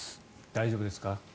大丈夫ですか？